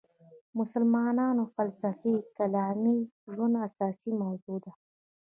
مسلمانانو فلسفي کلامي ژوند اساسي موضوع ده.